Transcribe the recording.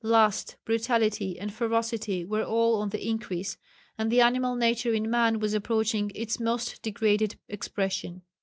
Lust, brutality and ferocity were all on the increase, and the animal nature in man was approaching its most degraded expression.